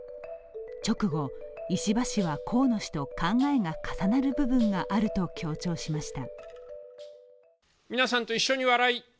直後、石破氏は河野氏と考えが重なる部分があると強調しました。